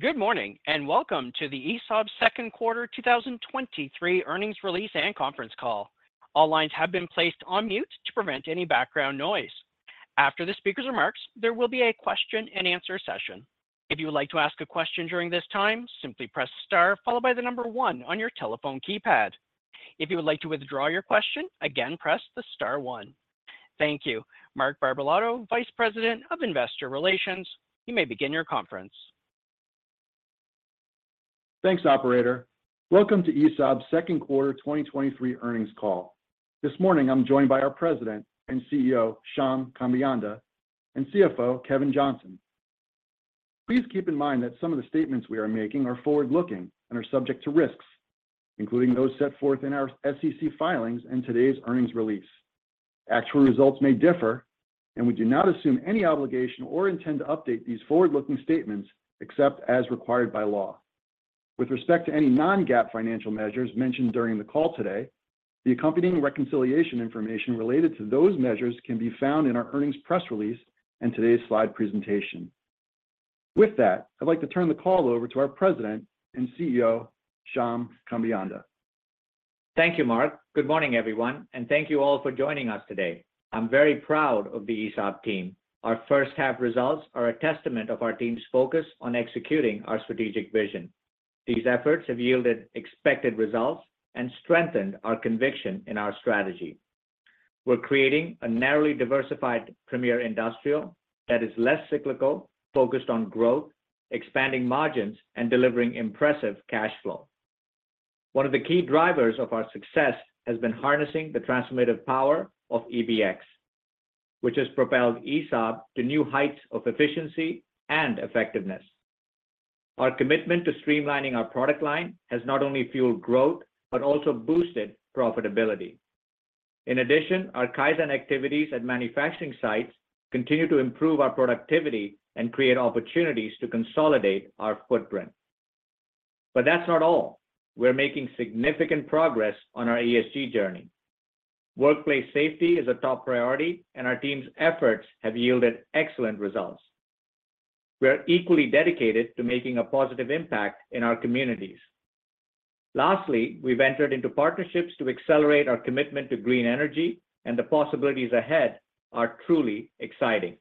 Good morning, and welcome to the ESAB second quarter 2023 earnings release and conference call. All lines have been placed on mute to prevent any background noise. After the speaker's remarks, there will be a question and answer session. If you would like to ask a question during this time, simply press star followed by 1 on your telephone keypad. If you would like to withdraw your question, again, press the star 1. Thank you. Mark Barbalato, Vice President of Investor Relations, you may begin your conference. Thanks, operator. Welcome to ESAB's second quarter 2023 earnings call. This morning, I'm joined by our President and CEO, Shyam Kambeyanda, and CFO, Kevin Johnson. Please keep in mind that some of the statements we are making are forward-looking and are subject to risks, including those set forth in our SEC filings and today's earnings release. Actual results may differ. We do not assume any obligation or intend to update these forward-looking statements except as required by law. With respect to any non-GAAP financial measures mentioned during the call today, the accompanying reconciliation information related to those measures can be found in our earnings press release and today's slide presentation. With that, I'd like to turn the call over to our President and CEO, Shyam Kambeyanda. Thank you, Mark. Good morning, everyone, and thank you all for joining us today. I'm very proud of the ESAB team. Our first half results are a testament of our team's focus on executing our strategic vision. These efforts have yielded expected results and strengthened our conviction in our strategy. We're creating a narrowly diversified premier industrial that is less cyclical, focused on growth, expanding margins, and delivering impressive cash flow. One of the key drivers of our success has been harnessing the transformative power of EBX, which has propelled ESAB to new heights of efficiency and effectiveness. Our commitment to streamlining our product line has not only fueled growth, but also boosted profitability. In addition, our Kaizen activities at manufacturing sites continue to improve our productivity and create opportunities to consolidate our footprint. That's not all. We're making significant progress on our ESG journey. Workplace safety is a top priority, and our team's efforts have yielded excellent results. We are equally dedicated to making a positive impact in our communities. Lastly, we've entered into partnerships to accelerate our commitment to green energy, and the possibilities ahead are truly exciting.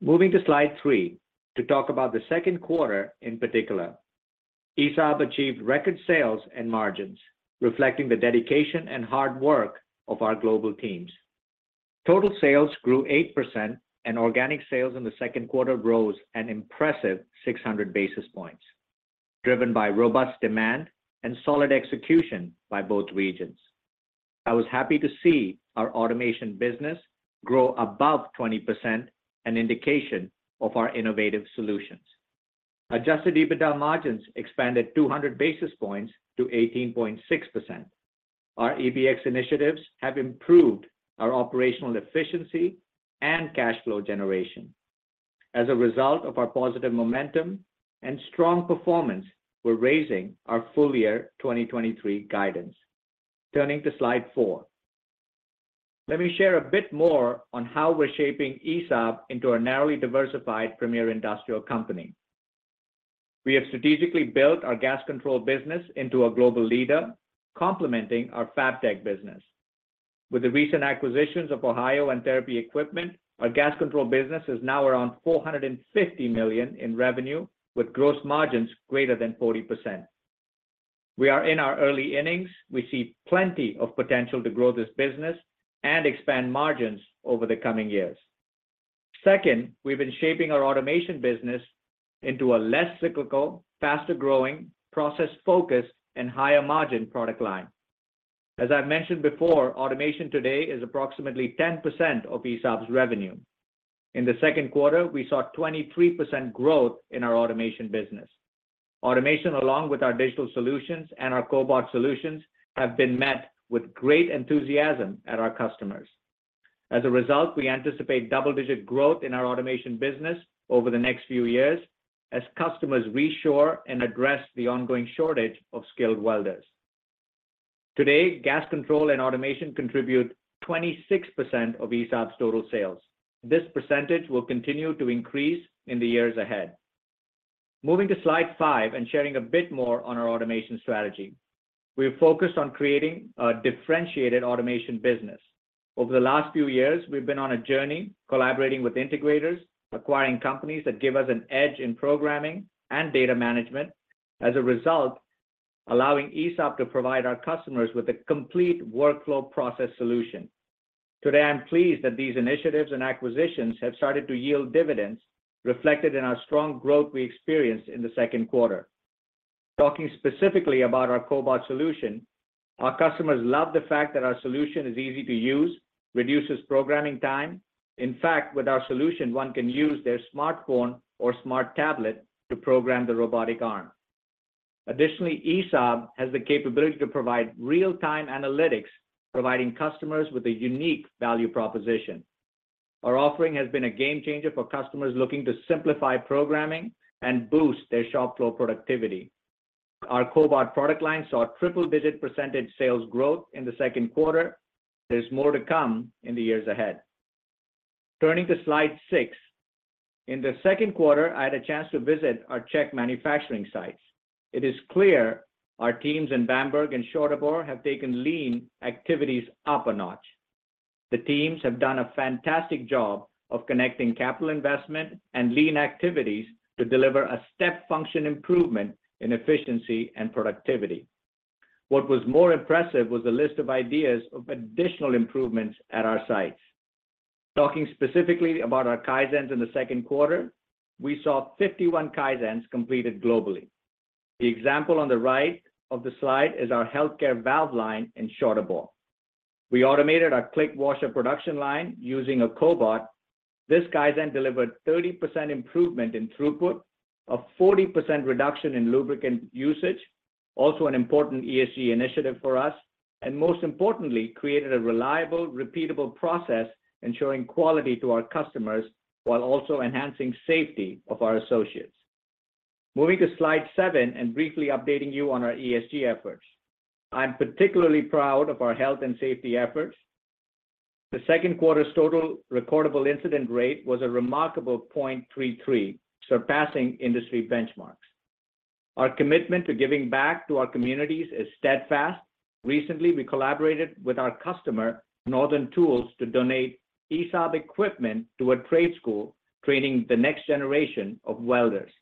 Moving to slide 3, to talk about the second quarter in particular. ESAB achieved record sales and margins, reflecting the dedication and hard work of our global teams. Total sales grew 8%, and organic sales in the second quarter rose an impressive 600 basis points, driven by robust demand and solid execution by both regions. I was happy to see our automation business grow above 20%, an indication of our innovative solutions. Adjusted EBITDA margins expanded 200 basis points to 18.6%. Our EBX initiatives have improved our operational efficiency and cash flow generation. As a result of our positive momentum and strong performance, we're raising our full year 2023 guidance. Turning to slide 4, let me share a bit more on how we're shaping ESAB into a narrowly diversified premier industrial company. We have strategically built our gas control business into a global leader, complementing our Fabtech business. With the recent acquisitions of Ohio and Therapy Equipment, our gas control business is now around $450 million in revenue, with gross margins greater than 40%. We are in our early innings. We see plenty of potential to grow this business and expand margins over the coming years. Second, we've been shaping our automation business into a less cyclical, faster-growing, process-focused, and higher-margin product line. As I mentioned before, automation today is approximately 10% of ESAB's revenue. In the second quarter, we saw 23% growth in our automation business. Automation, along with our digital solutions and our cobot solutions, have been met with great enthusiasm at our customers. As a result, we anticipate double-digit growth in our automation business over the next few years as customers reshore and address the ongoing shortage of skilled welders. Today, gas control and automation contribute 26% of ESAB's total sales. This percentage will continue to increase in the years ahead. Moving to slide 5 and sharing a bit more on our automation strategy. We are focused on creating a differentiated automation business. Over the last few years, we've been on a journey, collaborating with integrators, acquiring companies that give us an edge in programming and data management, as a result, allowing ESAB to provide our customers with a complete workflow process solution. Today, I am pleased that these initiatives and acquisitions have started to yield dividends reflected in our strong growth we experienced in the second quarter. Talking specifically about our cobot solution, our customers love the fact that our solution is easy to use, reduces programming time. In fact, with our solution, one can use their smartphone or smart tablet to program the robotic arm. Additionally, ESAB has the capability to provide real-time analytics, providing customers with a unique value proposition. Our offering has been a game changer for customers looking to simplify programming and boost their shop flow productivity. Our cobot product line saw triple-digit % sales growth in the second quarter. There's more to come in the years ahead. Turning to slide 6. In the second quarter, I had a chance to visit our Czech manufacturing sites. It is clear our teams in Vamberk and Soraboo have taken lean activities up a notch. The teams have done a fantastic job of connecting capital investment and lean activities to deliver a step function improvement in efficiency and productivity. What was more impressive was the list of ideas of additional improvements at our sites. Talking specifically about our Kaizens in the second quarter, we saw 51 Kaizens completed globally. The example on the right of the slide is our healthcare valve line in Soraboo. We automated our click washer production line using a cobot. This Kaizen delivered 30% improvement in throughput, a 40% reduction in lubricant usage, also an important ESG initiative for us, and most importantly, created a reliable, repeatable process, ensuring quality to our customers while also enhancing safety of our associates. Moving to slide 7 and briefly updating you on our ESG efforts. I'm particularly proud of our health and safety efforts. The second quarter's total recordable incident rate was a remarkable 0.33, surpassing industry benchmarks. Our commitment to giving back to our communities is steadfast. Recently, we collaborated with our customer, Northern Tool, to donate ESAB equipment to a trade school, training the next generation of welders.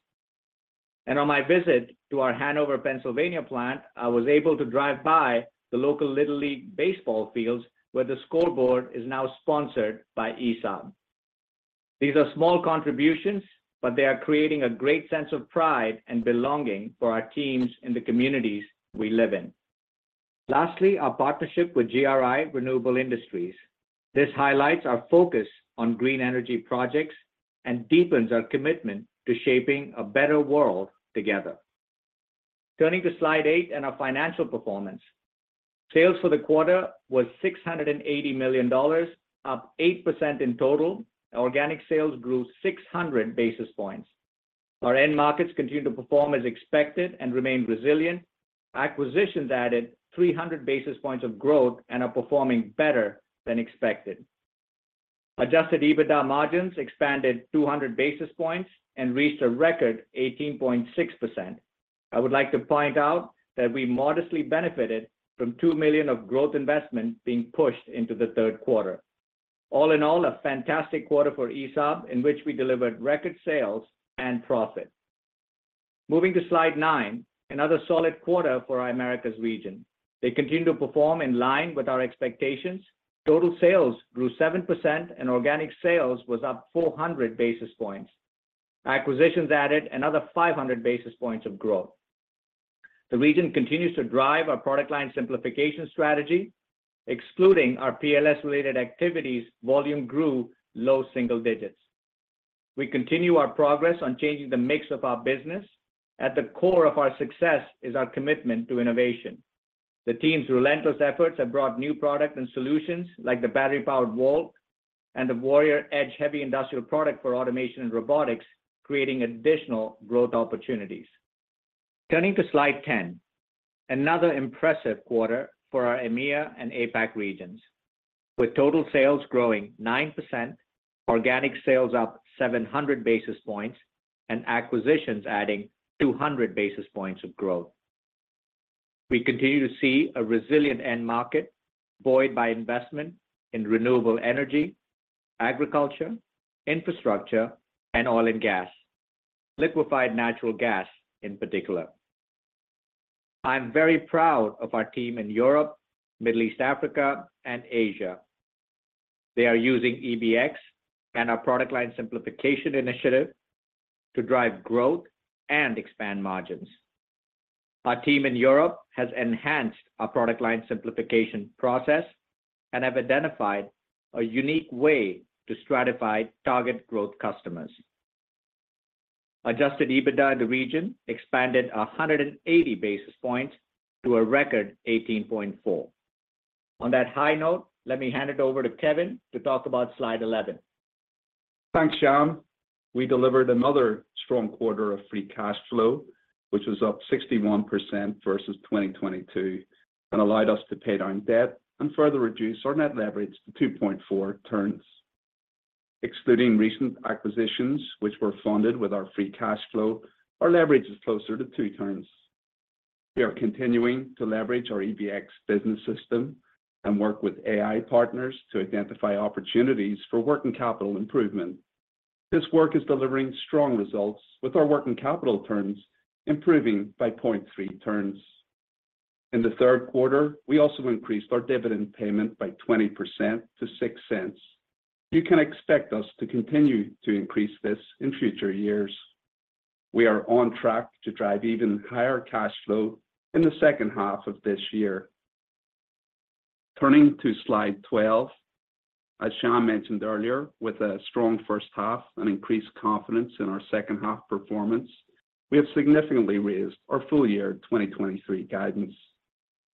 On my visit to our Hanover, Pennsylvania plant, I was able to drive by the local Little League baseball fields, where the scoreboard is now sponsored by ESAB. These are small contributions, but they are creating a great sense of pride and belonging for our teams in the communities we live in. Lastly, our partnership with GRI Renewable Industries. This highlights our focus on green energy projects and deepens our commitment to shaping a better world together. Turning to slide 8 and our financial performance. Sales for the quarter was $680 million, up 8% in total. Organic sales grew 600 basis points. Our end markets continued to perform as expected and remained resilient. Acquisitions added 300 basis points of growth and are performing better than expected. adjusted EBITDA margins expanded 200 basis points and reached a record 18.6%. I would like to point out that we modestly benefited from $2 million of growth investment being pushed into the third quarter. All in all, a fantastic quarter for ESAB, in which we delivered record sales and profit. Moving to slide 9, another solid quarter for our Americas region. They continued to perform in line with our expectations. Total sales grew 7%, and organic sales was up 400 basis points. Acquisitions added another 500 basis points of growth. The region continues to drive our product line simplification strategy. Excluding our PLS-related activities, volume grew low single digits. We continue our progress on changing the mix of our business. At the core of our success is our commitment to innovation. The team's relentless efforts have brought new products and solutions, like the battery-powered VOLT and the Warrior Edge heavy industrial product for automation and robotics, creating additional growth opportunities. Turning to slide 10, another impressive quarter for our EMEA and APAC regions, with total sales growing 9%, organic sales up 700 basis points, and acquisitions adding 200 basis points of growth. We continue to see a resilient end market, buoyed by investment in renewable energy, agriculture, infrastructure, and oil and gas, liquefied natural gas in particular. I'm very proud of our team in Europe, Middle East, Africa, and Asia. They are using EBX and our product line simplification initiative to drive growth and expand margins. Our team in Europe has enhanced our product line simplification process and have identified a unique way to stratify target growth customers. Adjusted EBITDA in the region expanded 180 basis points to a record 18.4%. On that high note, let me hand it over to Kevin to talk about slide 11. Thanks, Shyam. We delivered another strong quarter of free cash flow, which was up 61% versus 2022, and allowed us to pay down debt and further reduce our net leverage to 2.4 turns. Excluding recent acquisitions, which were funded with our free cash flow, our leverage is closer to 2 turns. We are continuing to leverage our EBX business system and work with AI partners to identify opportunities for working capital improvement. This work is delivering strong results, with our working capital turns improving by 0.3 turns. In the third quarter, we also increased our dividend payment by 20% to $0.06. You can expect us to continue to increase this in future years. We are on track to drive even higher cash flow in the second half of this year. Turning to slide 12, as Shyam mentioned earlier, with a strong first half and increased confidence in our second half performance, we have significantly raised our full year 2023 guidance.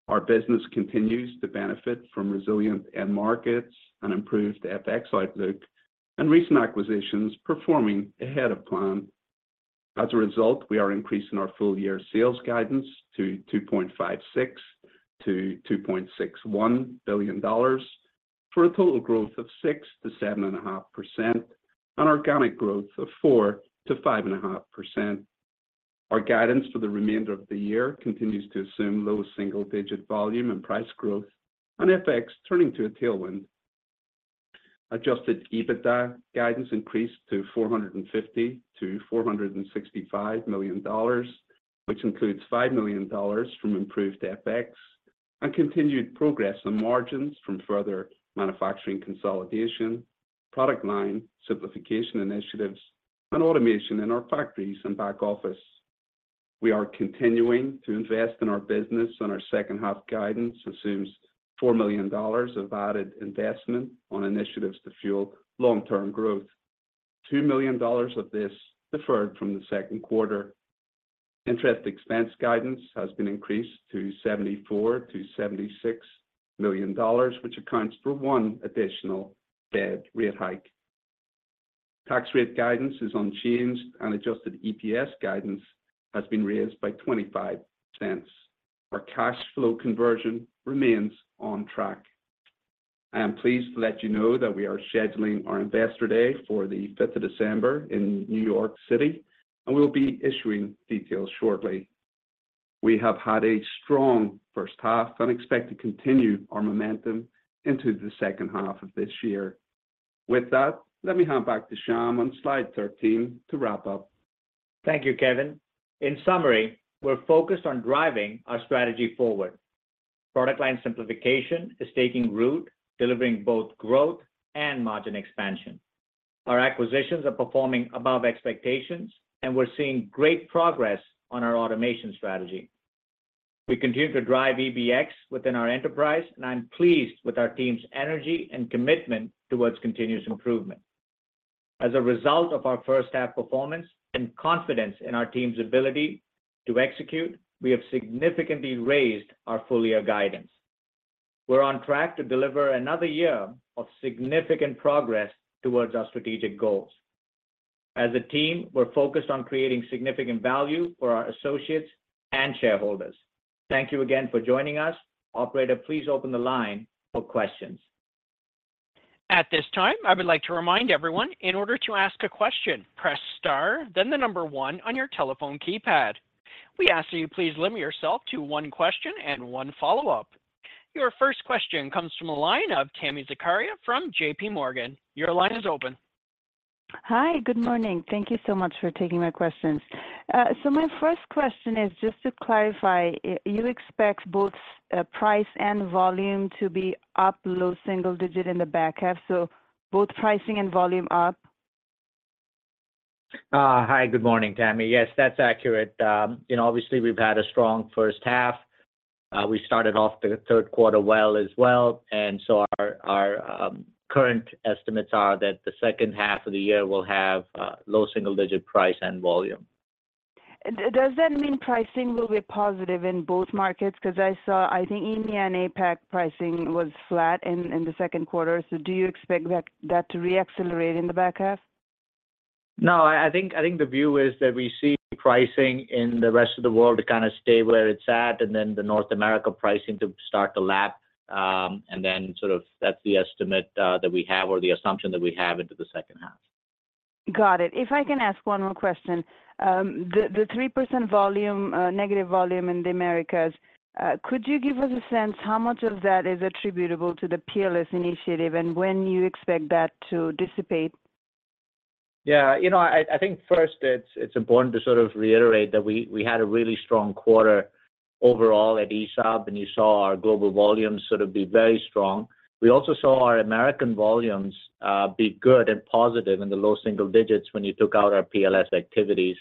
Our business continues to benefit from resilient end markets, an improved FX outlook, and recent acquisitions performing ahead of plan. As a result, we are increasing our full year sales guidance to $2.56 billion-$2.61 billion, for a total growth of 6%-7.5%, and organic growth of 4%-5.5%. Our guidance for the remainder of the year continues to assume low single digit volume and price growth, and FX turning to a tailwind. Adjusted EBITDA guidance increased to $450 million-$465 million, which includes $5 million from improved FX and continued progress on margins from further manufacturing consolidation, product line, simplification initiatives, and automation in our factories and back office. We are continuing to invest in our business, and our second half guidance assumes $4 million of added investment on initiatives to fuel long-term growth. $2 million of this deferred from the second quarter. Interest expense guidance has been increased to $74 million-$76 million, which accounts for 1 additional Fed rate hike. Tax rate guidance is unchanged, and adjusted EPS guidance has been raised by $0.25. Our cash flow conversion remains on track. I am pleased to let you know that we are scheduling our Investor Day for the fifth of December in New York City. We'll be issuing details shortly. We have had a strong first half. Expect to continue our momentum into the second half of this year. With that, let me hand back to Shyam on slide 13 to wrap up. Thank you, Kevin. In summary, we're focused on driving our strategy forward. Product line simplification is taking root, delivering both growth and margin expansion. Our acquisitions are performing above expectations, and we're seeing great progress on our automation strategy. We continue to drive EBX within our enterprise, and I'm pleased with our team's energy and commitment towards continuous improvement. As a result of our first half performance and confidence in our team's ability to execute, we have significantly raised our full year guidance. We're on track to deliver another year of significant progress towards our strategic goals. As a team, we're focused on creating significant value for our associates and shareholders. Thank you again for joining us. Operator, please open the line for questions. At this time, I would like to remind everyone, in order to ask a question, press star, then the number one on your telephone keypad. We ask that you please limit yourself to one question and one follow-up. Your first question comes from the line of Tami Zakaria from JP Morgan. Your line is open. Hi, good morning. Thank you so much for taking my questions. My first question is, just to clarify, you expect both, price and volume to be up low single digit in the back half, so both pricing and volume up? Hi, good morning, Tami. Yes, that's accurate. You know, obviously, we've had a strong first half. We started off the third quarter well as well, and so our, our current estimates are that the second half of the year will have low single digit price and volume. Does that mean pricing will be positive in both markets? 'Cause I saw, I think India and APAC pricing was flat in the second quarter. Do you expect that to re-accelerate in the back half? No, I, I think, I think the view is that we see pricing in the rest of the world to kind of stay where it's at, and then the North America pricing to start to lap. Then, sort of, that's the estimate that we have or the assumption that we have into the second half. Got it. If I can ask one more question. The, the 3% volume, negative volume in the Americas, could you give us a sense how much of that is attributable to the PLS initiative, and when you expect that to dissipate? Yeah, you know, I, I think first it's, it's important to sort of reiterate that we, we had a really strong quarter overall at ESAB, and you saw our global volumes sort of be very strong. We also saw our American volumes be good and positive in the low single digits when you took out our PLS activities.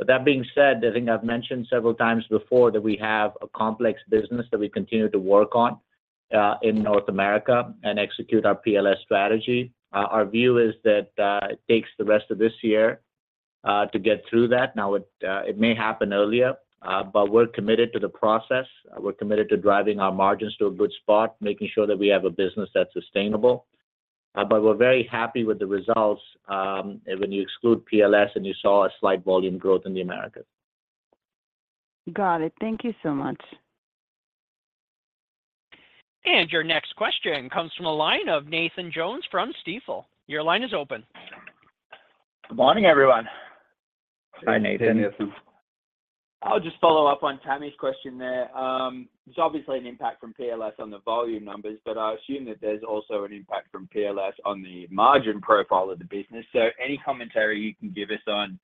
That being said, I think I've mentioned several times before that we have a complex business that we continue to work on in North America and execute our PLS strategy. Our view is that it takes the rest of this year to get through that. Now, it may happen earlier, but we're committed to the process. We're committed to driving our margins to a good spot, making sure that we have a business that's sustainable. We're very happy with the results, when you exclude PLS, and you saw a slight volume growth in the Americas. Got it. Thank you so much. Your next question comes from the line of Nathan Jones from Stifel. Your line is open. Good morning, everyone. Hi, Nathan. Hey, Nathan. I'll just follow up on Tami's question there. There's obviously an impact from PLS on the volume numbers, but I assume that there's also an impact from PLS on the margin profile of the business. Any commentary you can give us on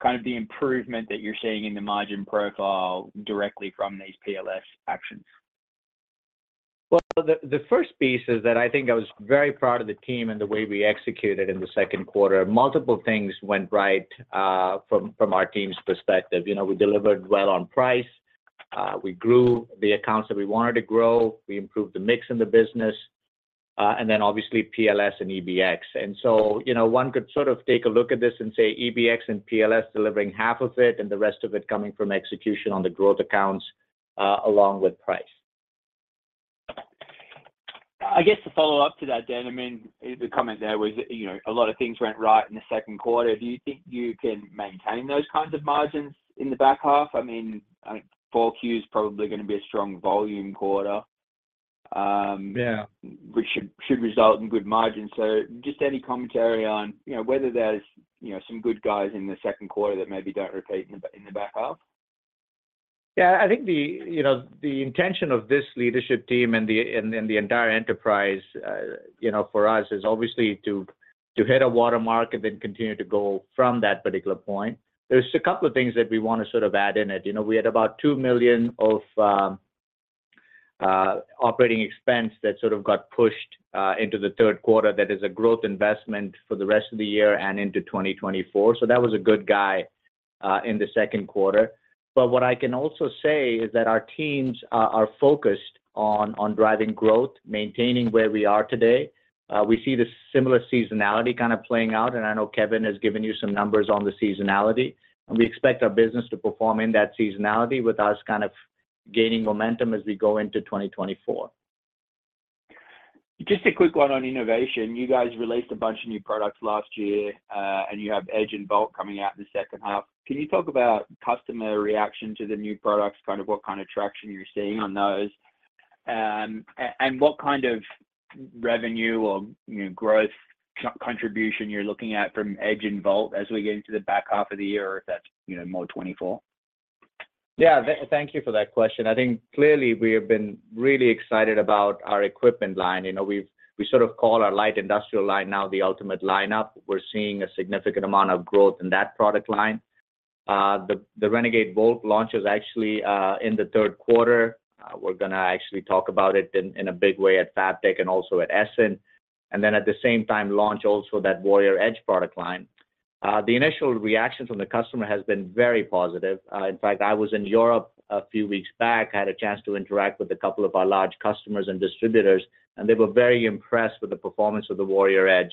kind of the improvement that you're seeing in the margin profile directly from these PLS actions? Well, the, the first piece is that I think I was very proud of the team and the way we executed in the second quarter. Multiple things went right from our team's perspective. You know, we delivered well on price, we grew the accounts that we wanted to grow, we improved the mix in the business, and then obviously, PLS and EBX. You know, one could sort of take a look at this and say, EBX and PLS delivering half of it, and the rest of it coming from execution on the growth accounts, along with price. ... I guess to follow up to that, Shyam, I mean, the comment there was, you know, a lot of things went right in the 2nd quarter. Do you think you can maintain those kinds of margins in the back half? I mean, I think 4Q is probably gonna be a strong volume quarter. Yeah which should, should result in good margins. Just any commentary on, you know, whether there's, you know, some good guys in the second quarter that maybe don't repeat in the, in the back half? Yeah, I think the, you know, the intention of this leadership team and the entire enterprise, you know, for us, is obviously to hit a watermark and then continue to go from that particular point. There's a couple of things that we wanna sort of add in it. You know, we had about $2 million of operating expense that sort of got pushed into the third quarter. That is a growth investment for the rest of the year and into 2024. That was a good guy in the second quarter. What I can also say is that our teams are focused on driving growth, maintaining where we are today. We see the similar seasonality kind of playing out, and I know Kevin has given you some numbers on the seasonality. We expect our business to perform in that seasonality with us kind of gaining momentum as we go into 2024. Just a quick one on innovation. You guys released a bunch of new products last year, and you have Edge and Bolt coming out in the second half. Can you talk about customer reaction to the new products, kind of what kind of traction you're seeing on those? What kind of revenue or, you know, growth contribution you're looking at from Edge and Bolt as we get into the back half of the year, if that's, you know, more 2024? Yeah, thank you for that question. I think clearly we have been really excited about our equipment line. You know, we've, we sort of call our light industrial line now the ultimate lineup. We're seeing a significant amount of growth in that product line. The, the Renegade VOLT launch is actually in the third quarter. We're gonna actually talk about it in, in a big way at FABTECH and also at Essen, and then at the same time, launch also that Warrior Edge product line. The initial reaction from the customer has been very positive. In fact, I was in Europe a few weeks back. I had a chance to interact with a couple of our large customers and distributors, and they were very impressed with the performance of the Warrior Edge.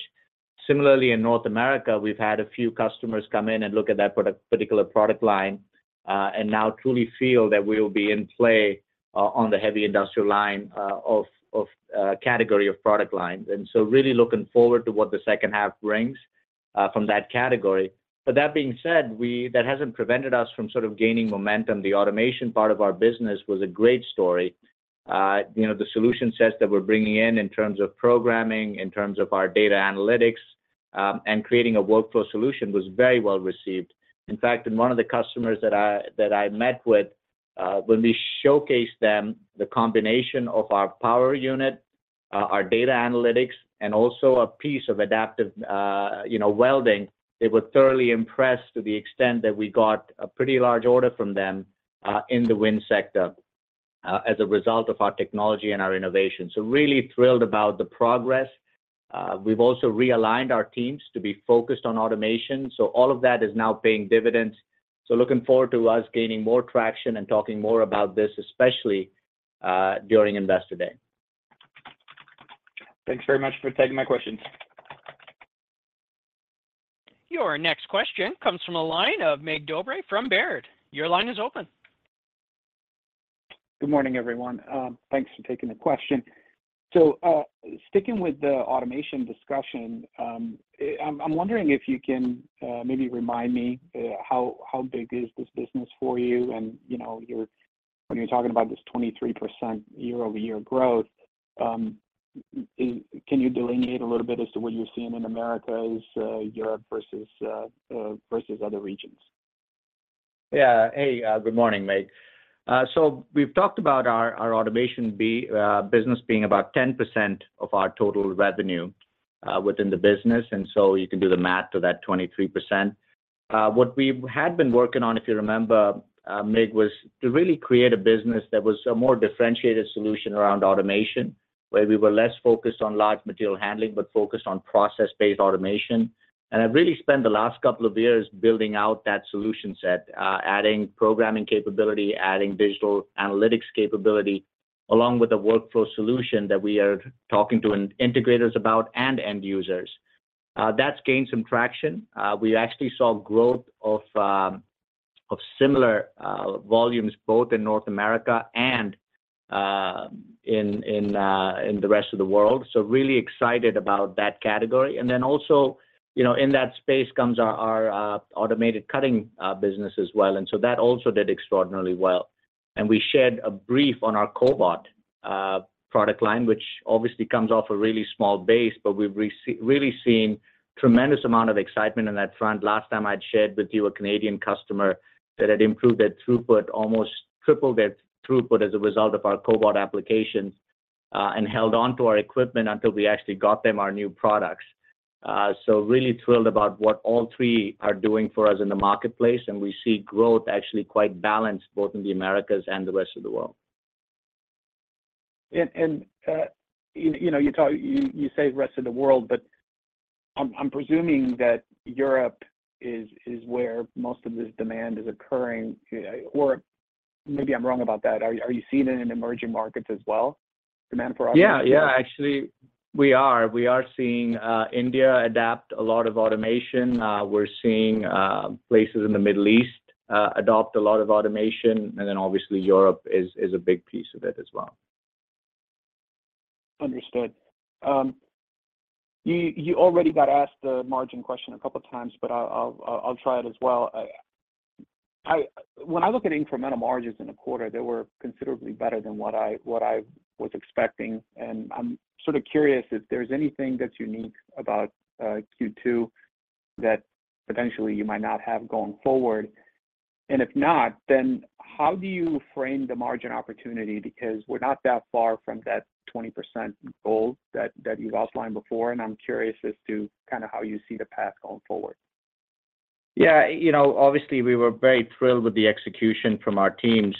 Similarly, in North America, we've had a few customers come in and look at that particular product line, and now truly feel that we will be in play on the heavy industrial line, of, of, category of product lines. Really looking forward to what the second half brings from that category. That being said, we That hasn't prevented us from sort of gaining momentum. The automation part of our business was a great story. You know, the solution sets that we're bringing in, in terms of programming, in terms of our data analytics, and creating a workflow solution, was very well received. In fact, in one of the customers that I, that I met with, when we showcased them, the combination of our power unit, our data analytics, and also a piece of adaptive, you know, welding, they were thoroughly impressed to the extent that we got a pretty large order from them, in the wind sector, as a result of our technology and our innovation. Really thrilled about the progress. We've also realigned our teams to be focused on automation, so all of that is now paying dividends. Looking forward to us gaining more traction and talking more about this, especially, during Investor Day. Thanks very much for taking my questions. Your next question comes from a line of Mig Dobre from Baird. Your line is open. Good morning, everyone. Thanks for taking the question. Sticking with the automation discussion, I'm wondering if you can maybe remind me how big is this business for you? You know, when you're talking about this 23% year-over-year growth, can you delineate a little bit as to what you're seeing in Americas, Europe, versus versus other regions? Yeah. Hey, good morning, Mig. We've talked about our, our automation business being about 10% of our total revenue within the business, and you can do the math to that 23%. What we had been working on, if you remember, Mig, was to really create a business that was a more differentiated solution around automation, where we were less focused on large material handling, but focused on process-based automation. I've really spent the last couple of years building out that solution set, adding programming capability, adding digital analytics capability, along with a workflow solution that we are talking to integrators about and end users. That's gained some traction. We actually saw growth of similar volumes, both in North America and in the rest of the world. Really excited about that category. Then also, you know, in that space comes our, our automated cutting business as well, so that also did extraordinarily well. We shared a brief on our cobot product line, which obviously comes off a really small base, but we've really seen tremendous amount of excitement on that front. Last time I'd shared with you, a Canadian customer that had improved their throughput, almost tripled their throughput as a result of our cobot applications, and held on to our equipment until we actually got them our new products. Really thrilled about what all three are doing for us in the marketplace, and we see growth actually quite balanced, both in the Americas and the rest of the world. And you know, you say rest of the world, but I'm, I'm presuming that Europe is, is where most of this demand is occurring, or maybe I'm wrong about that. Are, are you seeing it in emerging markets as well, demand for automation? Yeah, yeah, actually... We are, we are seeing India adapt a lot of automation. We're seeing places in the Middle East adopt a lot of automation, and then obviously Europe is a big piece of it as well. Understood. You, you already got asked the margin question a couple of times, but I'll, I'll, I'll try it as well. When I look at incremental margins in a quarter, they were considerably better than what I, what I was expecting, and I'm sort of curious if there's anything that's unique about Q2, that potentially you might not have going forward. If not, then how do you frame the margin opportunity? Because we're not that far from that 20% goal that, that you've outlined before, and I'm curious as to kind of how you see the path going forward. Yeah, you know, obviously, we were very thrilled with the execution from our teams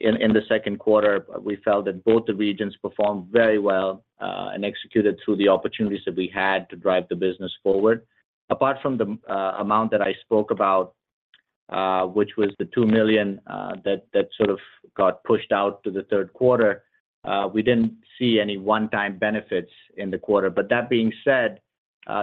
in the second quarter. We felt that both the regions performed very well and executed through the opportunities that we had to drive the business forward. Apart from the amount that I spoke about, which was the $2 million, that, that sort of got pushed out to the third quarter, we didn't see any one-time benefits in the quarter. That being said,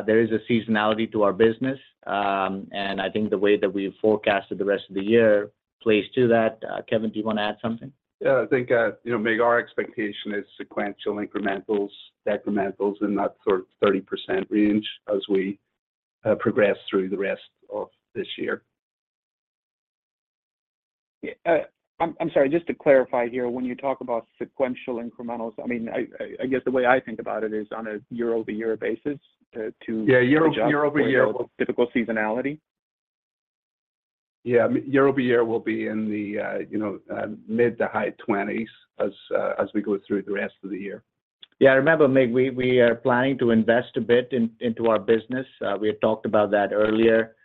there is a seasonality to our business, and I think the way that we've forecasted the rest of the year plays to that. Kevin, do you want to add something? Yeah, I think, you know, Mig, our expectation is sequential incrementals, decrementals in that sort of 30% range as we progress through the rest of this year. Yeah. I'm, I'm sorry, just to clarify here, when you talk about sequential incrementals, I mean, I, I, I guess the way I think about it is on a year-over-year basis. Yeah, year-over-year. Difficult seasonality. Yeah. Year-over-year will be in the, you know, mid-to-high 20s% as we go through the rest of the year. Yeah, remember, Mig, we are planning to invest a bit into our business. We had talked about that earlier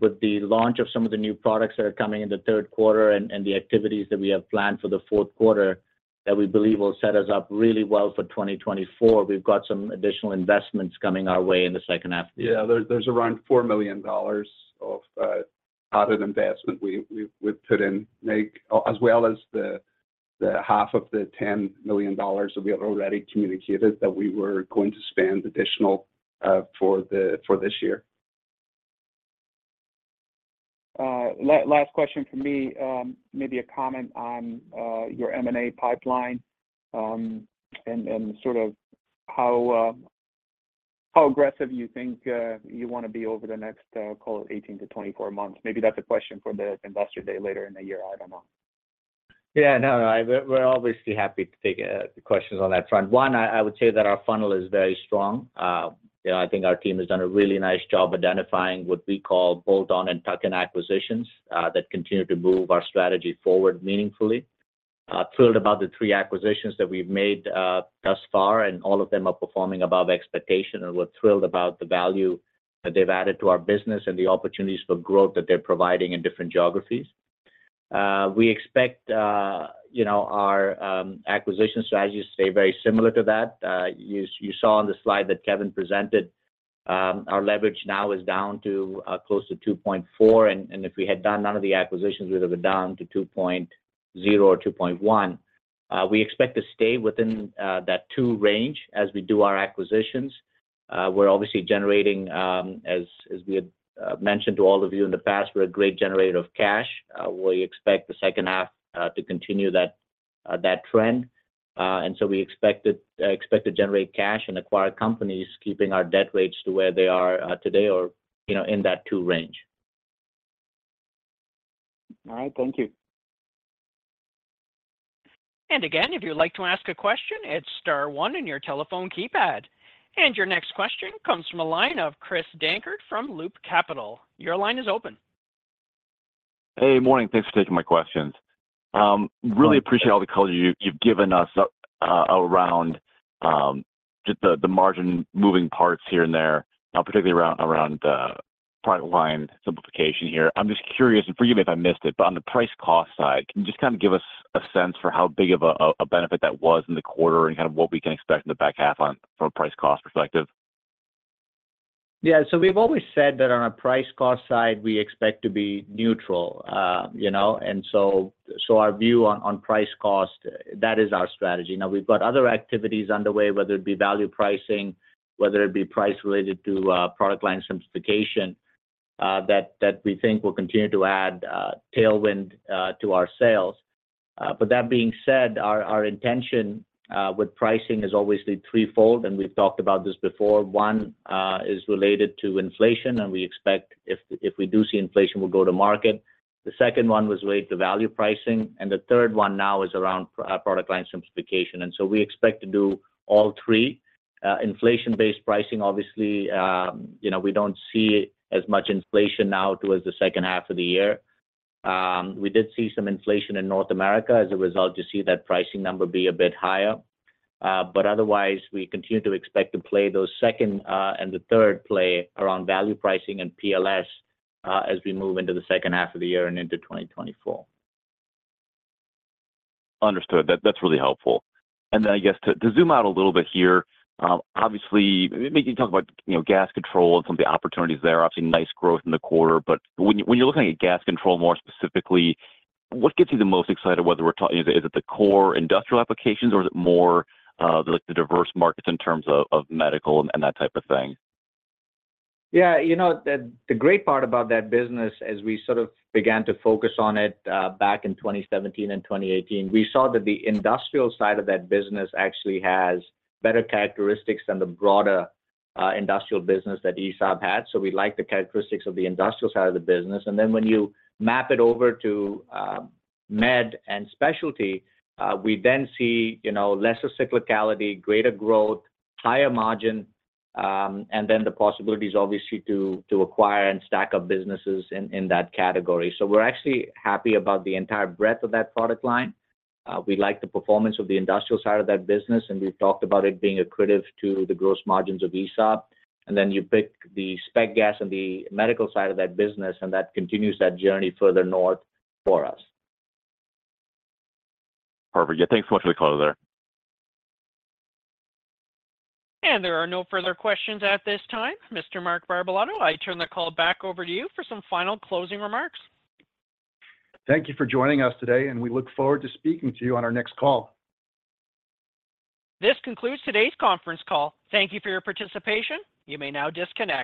with the launch of some of the new products that are coming in the third quarter and the activities that we have planned for the fourth quarter, that we believe will set us up really well for 2024. We've got some additional investments coming our way in the second half of the year. Yeah. There's, there's around $4 million of out of investment we, we, we've put in, Mig, as well as the $5 million that we have already communicated that we were going to spend additional for this year. Last question from me, maybe a comment on your M&A pipeline, and sort of how aggressive you think you wanna be over the next, call it 18 to 24 months? Maybe that's a question for the Investor Day later in the year, I don't know. Yeah, no, no, we're, we're obviously happy to take questions on that front. One, I, I would say that our funnel is very strong. You know, I think our team has done a really nice job identifying what we call bolt-on and tuck-in acquisitions that continue to move our strategy forward meaningfully. Thrilled about the three acquisitions that we've made thus far, and all of them are performing above expectation, and we're thrilled about the value that they've added to our business, and the opportunities for growth that they're providing in different geographies. We expect, you know, our acquisition strategy to stay very similar to that. e slide that Kevin presented, our leverage now is down to close to 2.4, and if we had done none of the acquisitions, we'd have been down to 2.0 or 2.1. We expect to stay within that 2 range as we do our acquisitions. We're obviously generating, as we had mentioned to all of you in the past, we're a great generator of cash. We expect the second half to continue that trend. And so we expect to expect to generate cash and acquire companies keeping our debt rates to where they are today or, you know, in that 2 range All right. Thank you. Again, if you'd like to ask a question, it's star one in your telephone keypad. Your next question comes from a line of Christopher Dankert from Loop Capital. Your line is open. Hey, morning. Thanks for taking my questions. Really appreciate all the color you've, you've given us, around, just the, the margin moving parts here and there, particularly around, around, product line simplification here. I'm just curious, and forgive me if I missed it, but on the price cost side, can you just kind of give us a sense for how big of a, a benefit that was in the quarter, and kind of what we can expect in the back half on from a price cost perspective? Yeah. We've always said that on a price cost side, we expect to be neutral. You know, our view on price cost, that is our strategy. Now, we've got other activities underway, whether it be value pricing, whether it be price related to product line simplification, that, that we think will continue to add tailwind to our sales. That being said, our intention with pricing is obviously threefold, and we've talked about this before. One, is related to inflation, and we expect if, if we do see inflation, we'll go to market. The second one was related to value pricing, and the third one now is around pr- product line simplification. We expect to do all three. Inflation-based pricing, obviously, you know, we don't see as much inflation now towards the second half of the year. We did see some inflation in North America. As a result, you see that pricing number be a bit higher. Otherwise, we continue to expect to play those second and the third play around value pricing and PLS as we move into the second half of the year and into 2024. Understood. That-that's really helpful. Then, I guess to, to zoom out a little bit here, obviously, you talked about, you know, gas control and some of the opportunities there. Obviously, nice growth in the quarter, but when you, when you're looking at gas control, more specifically, what gets you the most excited? Whether we're talking, is it the core industrial applications, or is it more, like the diverse markets in terms of, of medical and that type of thing? Yeah, you know, the, the great part about that business, as we sort of began to focus on it, back in 2017 and 2018, we saw that the industrial side of that business actually has better characteristics than the broader, industrial business that ESAB had. We like the characteristics of the industrial side of the business. Then when you map it over to, med and specialty, we then see, you know, lesser cyclicality, greater growth, higher margin, and then the possibilities obviously to, to acquire and stack up businesses in, in that category. We're actually happy about the entire breadth of that product line. We like the performance of the industrial side of that business, and we've talked about it being accretive to the gross margins of ESAB. Then you pick the spec gas and the medical side of that business, and that continues that journey further north for us. Perfect. Yeah, thanks so much for the color there. There are no further questions at this time. Mr. Mark Barbalato, I turn the call back over to you for some final closing remarks. Thank you for joining us today, and we look forward to speaking to you on our next call. This concludes today's conference call. Thank you for your participation. You may now disconnect.